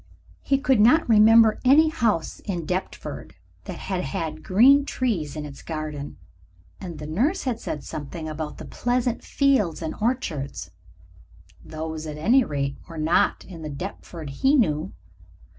He could not remember any house in Deptford that had green trees in its garden. And the nurse had said something about the pleasant fields and orchards. Those, at any rate, were not in the Deptford he knew.